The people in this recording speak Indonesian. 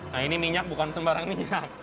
nah ini minyak bukan sembarang minyak